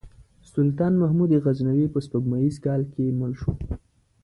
سلطان محمود غزنوي په سپوږمیز کال کې مړ شو.